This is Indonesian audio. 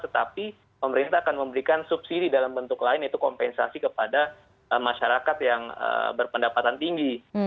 tetapi pemerintah akan memberikan subsidi dalam bentuk lain yaitu kompensasi kepada masyarakat yang berpendapatan tinggi